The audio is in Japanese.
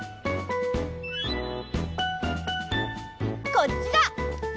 こっちだ！